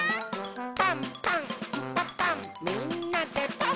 「パンパンんパパンみんなでパン！」